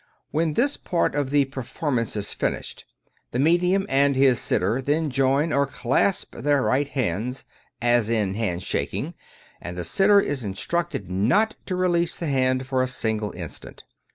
When this part of the performance is finished, the medium and his sitter then join or clasp their right hands (as in handshaking), and the sitter is instructed not to release the hand for a single instant.